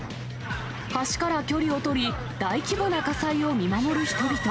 橋から距離を取り、大規模な火災を見守る人々。